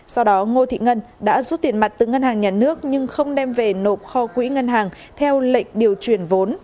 sau đó ngô thị ngân đã rút tiền mặt từ ngân hàng nhà nước nhưng không đem về nộp kho quỹ ngân hàng theo lệnh điều chuyển vốn